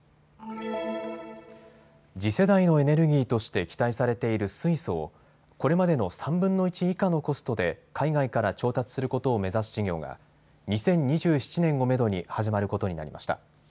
次世代のエネルギーとして期待されている水素をこれまでの３分の１以下のコストで海外から調達することを目指す事業が２０２７年をめどに始まることになりました。